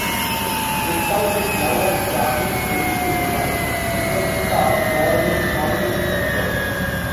Despite his love of Japanese traditional design, this was a stark, modernist concrete structure.